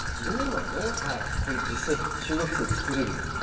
これ実際中学生作れるんですか？